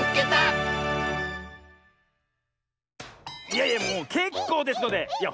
いやいやもうけっこうですのでいや